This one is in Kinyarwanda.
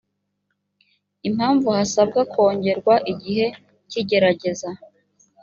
impamvu hasabwa kongerwa igihe cy igerageza